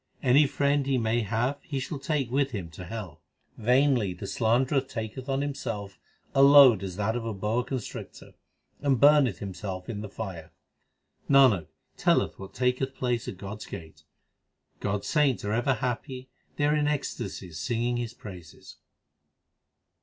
Any friend he may have he shall take with him to hell. Vainly the slanderer taketh on himself a load as that of a boa constrictor, 1 and burneth himself in the fire. Nanak telleth what taketh place at God s gate. God s saints are ever happy ; they are in ecstasies singing His praises.